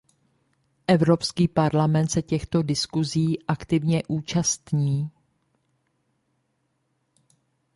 Evropský parlament se těchto diskusí aktivně účastní.